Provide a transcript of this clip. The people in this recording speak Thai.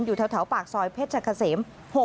อยู่แถวปากซอยเพชรกะเสม๖